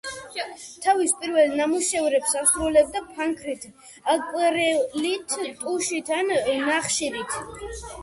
თავის პირველ ნამუშევრებს ასრულებდა ფანქრით, აკვარელით, ტუშით ან ნახშირით.